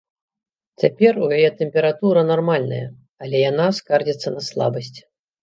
Цяпер у яе тэмпература нармальная, але яна скардзіцца на слабасць.